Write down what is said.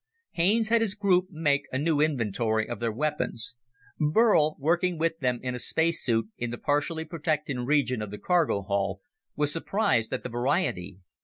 Haines had his group make a new inventory of their weapons. Burl, working with them in a space suit, in the partially protected region of the cargo hull, was surprised at the variety.